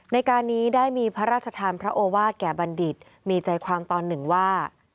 ในการนี้ได้มีพระราชทานพระโอวาสแก่บัณฑิตมีใจความตอนหนึ่งว่า